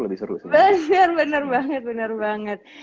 lebih seru bener bener banget